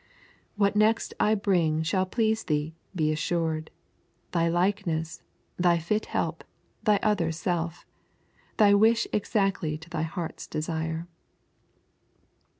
'What next I bring shall please thee, be assured, Thy likeness, thy fit help, thy other self, Thy wish exactly to thy heart's desire.'